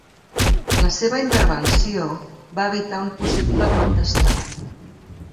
La seva intervenció va evitar un possible cop d'estat.